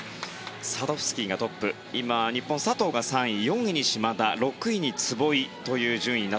サドフスキーがトップ日本の佐藤が３位４位が島田６位に壷井という順位です。